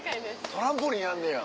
トランポリンやんねや。